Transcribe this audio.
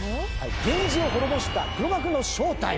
源氏を滅ぼした黒幕の正体。